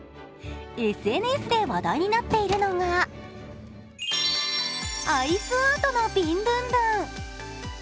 ＳＮＳで話題になっているのがアイスアートのビンドゥンドゥン。